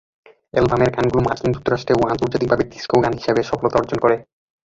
অ্যালবামের গানগুলো মার্কিন যুক্তরাষ্ট্রে ও আন্তর্জাতিকভাবে ডিস্কো গান হিসেবে সফলতা অর্জন করে।